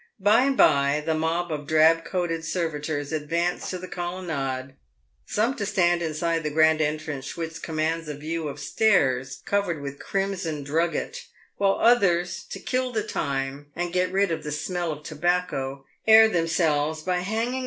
By and by the mob of drab coated 'servitors advance to the colonnade, some to stand inside the grand entrance which commands a view of stairs covered with crimson drugget, while others, to kill the time and get rid of the smell of tobacco, air themselves by hanging 112 PAVED WITH GOLD.